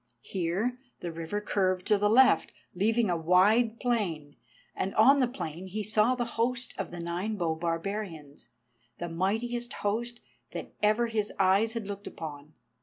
Here the river curved to the left, leaving a wide plain, and on the plain he saw the host of the Nine bow barbarians, the mightiest host that ever his eyes had looked upon.